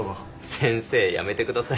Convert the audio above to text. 「先生」やめてください。